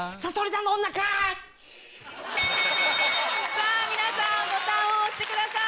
さぁ皆さんボタンを押してください。